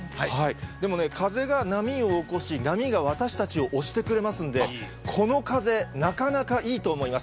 でもね、風が波を起こし、波が私たちを押してくれますんで、この風、なかなかいいと思います。